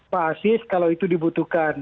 pak asis kalau itu dibutuhkan